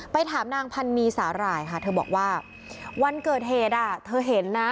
ถามนางพันนีสาหร่ายค่ะเธอบอกว่าวันเกิดเหตุเธอเห็นนะ